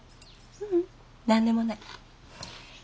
ううん何でもない。